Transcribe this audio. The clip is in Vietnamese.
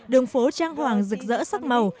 đường phố trang hoàng rực rỡ sắc màu